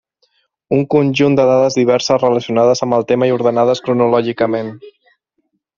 Un conjunt de dades diverses, relacionades amb el tema i ordenades cronològicament.